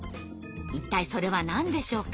一体それは何でしょうか？